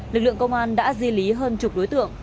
lực lượng công an đã di lý hơn chục đối tượng